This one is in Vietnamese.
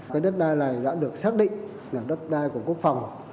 cái đất đai này đã được xác định là đất đai của quốc phòng